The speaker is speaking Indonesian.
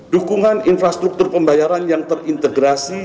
dukungan infrastruktur pembayaran yang terintegrasi